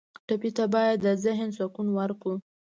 ټپي ته باید د ذهن سکون ورکړو.